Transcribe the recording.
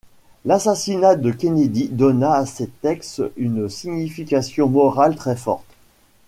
L'assassinat de Kennedy donna à ces textes une signification morale très forte.